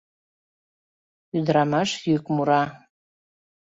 Ӱдырамаш йӱк мура: